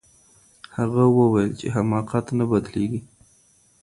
هغه وویل چي حماقت نه بدلیږي.